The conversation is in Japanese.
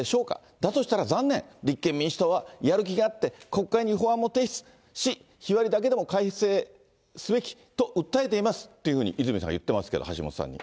だとしたら残念、立憲民主党はやる気があって、国会に法案も提出し、日割りだけでも改正すべきと訴えていますっていうふうに、泉さん言ってますけど、橋下さんに。